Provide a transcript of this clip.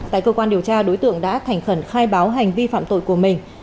tại cơ quan điều tra đối tượng đã thành khẩn khai báo hành vi phạm tội của mình